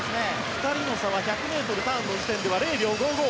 ２人の差は１００ｍターンの時点では０秒５５。